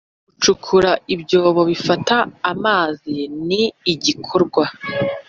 gucukura ibyobo bifata amazi ni igikorwa